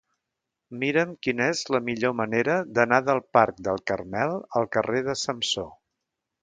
Mira'm quina és la millor manera d'anar del parc del Carmel al carrer de Samsó.